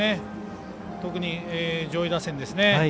特に上位打線ですね。